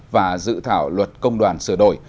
và dự thảo luật công đoàn sửa đổi